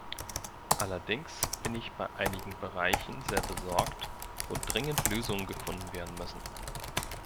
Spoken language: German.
Allerdings bin ich bei einigen Bereichen sehr besorgt, wo dringend Lösungen gefunden werden müssen.